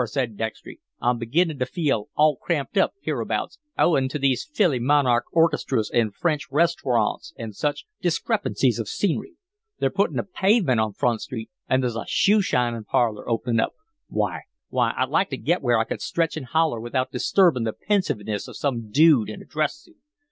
said Dextry. "I'm beginnin' to feel all cramped up hereabouts owin' to these fillymonarch orchestras an' French restarawnts and such discrepancies of scenery. They're puttin' a pavement on Front Street and there's a shoe shinin' parlor opened up. Why, I'd like to get where I could stretch an' holler without disturbin' the pensiveness of some dude in a dress suit.